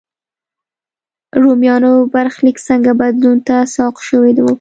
رومیانو برخلیک څنګه بدلون ته سوق شوی و.